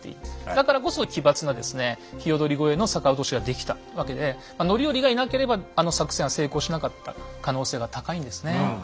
だからこそ奇抜な鵯越の逆落としができたわけで範頼がいなければあの作戦は成功しなかった可能性が高いんですね。